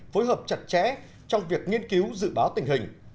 phối hợp chặt chẽ trong việc nghiên cứu dự báo tình hình